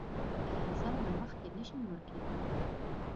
له اځل نه مخکې نه شې مړ کیدای!